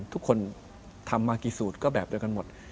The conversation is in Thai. ทุกคนทำมากี่สูตรก็แบบเดียวกันหมด